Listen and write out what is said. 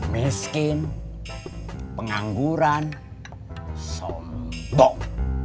miskin pengangguran sombong